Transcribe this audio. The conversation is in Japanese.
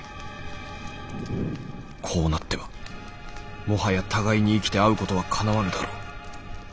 こうなってはもはや互いに生きて会うことはかなわぬだろう。